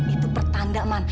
itu pertanda man